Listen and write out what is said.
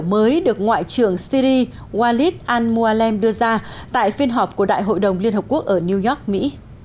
mới được ngoại trưởng syri walid al mualem đưa ra tại phiên họp của đại hội đồng liên hợp quốc ở new york mỹ